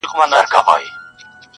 نور دي وږي د جهان همه ماړۀ شي